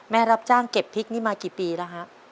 รับจ้างเก็บพริกนี่มากี่ปีแล้วฮะ